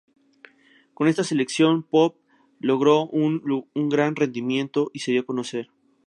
Con esta selección Popp logró un gran rendimiento y se dio a conocer.